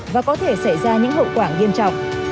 và có thể xảy ra những hậu quả nghiêm trọng